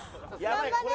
頑張れ！